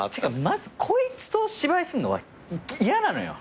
まずこいつと芝居するのは嫌なのよ。